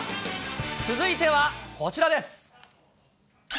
続いてはこちらです。